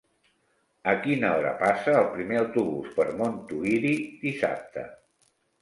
A quina hora passa el primer autobús per Montuïri dissabte?